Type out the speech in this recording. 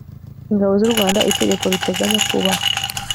ingabo z u rwanda itegeko riteganya kubaha